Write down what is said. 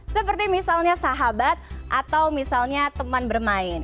seperti misalnya sahabat atau misalnya teman bermain